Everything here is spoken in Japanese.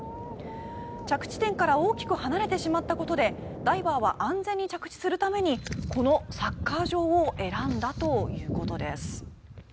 着地点から大きく離れてしまったことでダイバーは安全に着地するためにこのサッカー場を選んだということです。